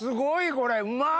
これうまい！